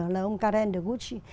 là ông karen degucci